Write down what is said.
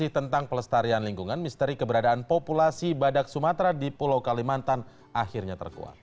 tentang pelestarian lingkungan misteri keberadaan populasi badak sumatera di pulau kalimantan akhirnya terkuat